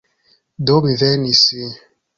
Do, mi venis...